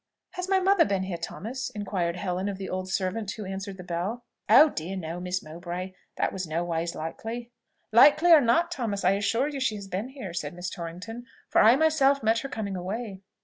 "Has my mother been here, Thomas?" inquired Helen of the old servant who answered the bell. "Oh, dear, no, Miss Mowbray: that was noways likely." "Likely or not, Thomas, I assure you she has been here," said Miss Torrington; "for I myself met her coming away."